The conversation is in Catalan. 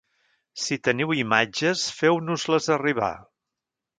Si teniu imatges feu-nos-les arribar.